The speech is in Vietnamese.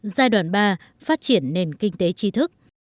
giai đoạn ba phát triển nền kinh tế tri thức